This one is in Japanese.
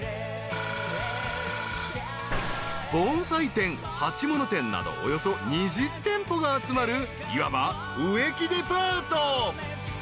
［盆栽店鉢物店などおよそ２０店舗が集まるいわば植木デパート］